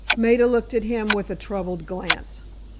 Maida looked at him with a troubled glance.